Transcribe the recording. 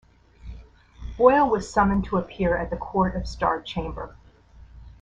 Boyle was summoned to appear at the Court of Star Chamber.